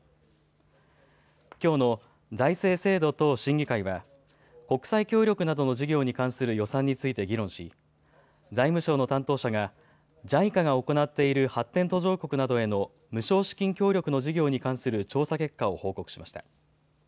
きょうの財政制度等審議会は国際協力などの事業に関する予算について議論し財務省の担当者がＪＩＣＡが行っている発展途上国などへの無償資金協力の事業に関する調査結果を報告しました。